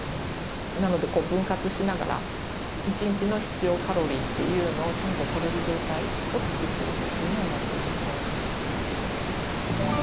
なので分割しながら１日の必要カロリーというのをちゃんととれる状態を作っておくというのはやってますね。